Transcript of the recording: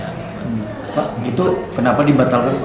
pak itu kenapa dibatalkan